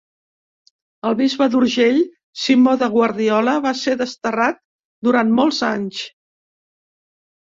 El bisbe d'Urgell, Simó de Guardiola, va ser desterrat durant molts anys.